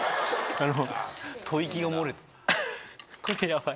あの。